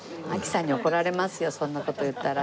そんな事言ったら。